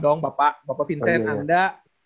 dong bapak vincent anda